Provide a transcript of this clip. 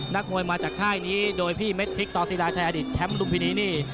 นักมวยมาจากค่ายนี้โดยพี่เม็ดพริกต่อศิราชัยอดีตแชมป์ลุมพินีนี่